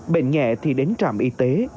bệnh nhẹ thì đến trạm y tế